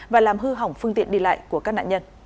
và làm hư hỏng phương tiện đi lại của các nạn nhân